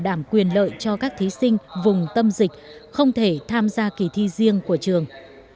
đảm quyền lợi cho các thí sinh vùng tâm dịch không thể tham gia kỳ thi riêng của trường